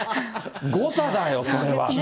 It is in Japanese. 誤差だよ、それはと。